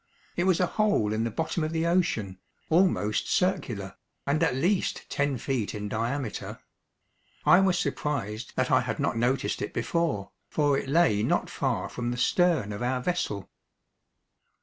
It was a hole in the bottom of the ocean, almost circular, and at least ten feet in diameter. I was surprised that I had not noticed it before, for it lay not far from the stern of our vessel.